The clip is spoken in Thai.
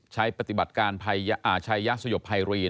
ใช้ปฏิบัติการอาชัยยสยบไพรี